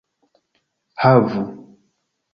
havu